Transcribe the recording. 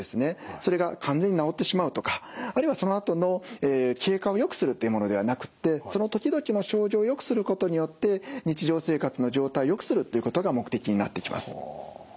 それが完全に治ってしまうとかあるいはそのあとの経過をよくするというものではなくってその時々の症状をよくすることによって日常生活の状態をよくするということが目的になってきます。